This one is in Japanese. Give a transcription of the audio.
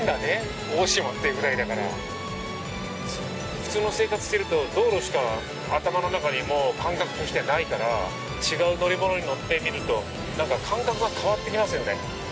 普通の生活していると道路しか頭の中に感覚としてないから違う乗り物に乗ってみると感覚が変わってきますよね。